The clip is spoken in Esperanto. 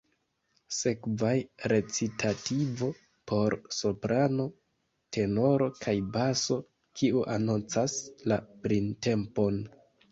Sekvas recitativo por soprano, tenoro kaj baso, kiu anoncas la printempon.